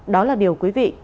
đó là điều quý vị nên làm